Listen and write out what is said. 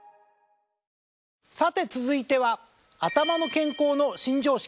さて続いては頭の健康の新常識。